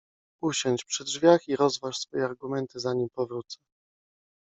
Usiądź przy drzwiach i rozważ swoje argumenty, zanim powrócę.